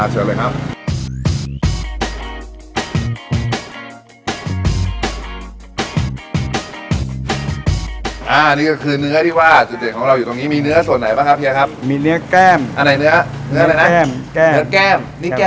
อันนี้คือเนื้อที่ว่าจุดเด่นของเราอยู่ตรงนี้มีเนื้อส่วนไหนป่ะครับเฮียครับ